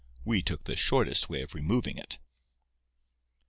We took the shortest way of removing it."